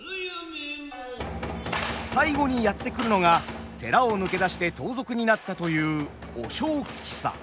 最後にやって来るのが寺を抜け出して盗賊になったという和尚吉三。